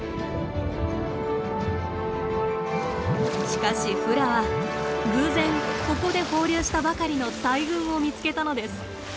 しかしフラは偶然ここで放流したばかりの大群を見つけたのです。